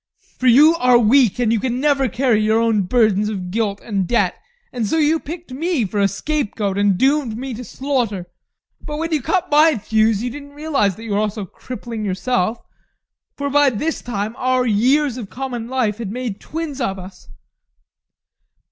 For you are weak, and you can never carry your own burdens of guilt and debt. And so you picked me for a scapegoat and doomed me to slaughter. But when you cut my thews, you didn't realise that you were also crippling yourself, for by this time our years of common life had made twins of us.